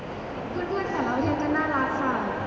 เพื่อนค่ะร้องเรียนก็น่ารักค่ะ